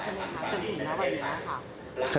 เป็นอย่างน้อยหรือเปล่า